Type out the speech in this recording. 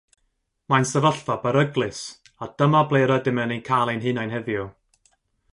Mae'n sefyllfa beryglus, a dyma ble rydym yn ein cael ein hunain heddiw.